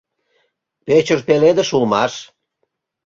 Пӧчыж пеледыш улмаш.